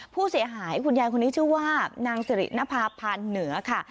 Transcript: ผู้เสียหายคุณยายคนนี้ชื่อว่านางสิรินภาพันเหนือค่ะ